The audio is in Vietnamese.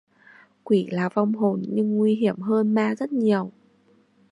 quỷ là vong hồn nhưng nguy hiểm hơn ma rất nhiều